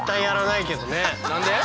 何で？